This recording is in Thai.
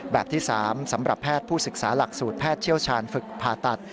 แบบที่๓สำหรับแพทย์ผู้ศึกษาหลักสูตรแพทย์เชี่ยวชาญฝึกผ่าตัด